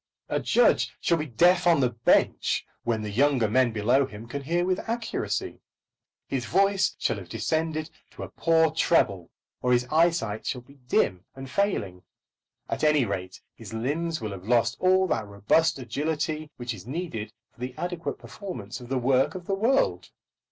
A judge shall be deaf on the bench when younger men below him can hear with accuracy. His voice shall have descended to a poor treble, or his eyesight shall be dim and failing. At any rate, his limbs will have lost all that robust agility which is needed for the adequate performance of the work of the world.